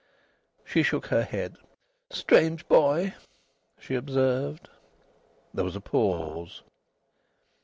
She shook her head. "Strange boy!" she observed. There was a pause.